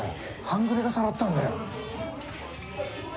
半グレがさらったんだよ。